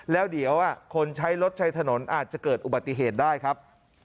แล้วเดี๋ยวคนใช้รถใช้ถนนอาจจะเกิดอุบัติเหตุได้ครับ